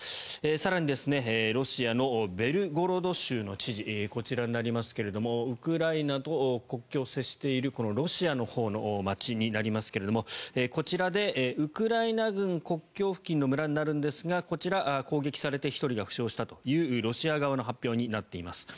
更に、ロシアのベルゴロド州の知事こちらになりますがウクライナと国境を接しているロシアのほうの街になりますがこちらでウクライナ軍国境付近の村になるんですがこちら、攻撃されて１人が負傷したというロシア側の発表になっています。